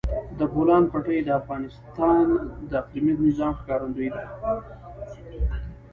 د بولان پټي د افغانستان د اقلیمي نظام ښکارندوی ده.